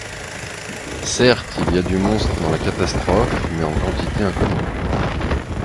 Certes, il y a du monstre dans la catastrophe, mais en quantité inconnue.